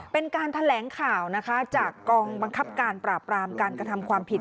เป็นการแถลงข่าวนะคะจากกองบังคับการปราบรามการกระทำความผิด